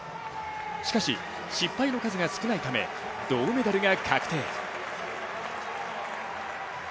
しかし、失敗の数が少ないため銅メダルが確定。